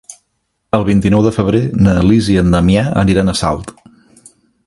El vint-i-nou de febrer na Lis i en Damià aniran a Salt.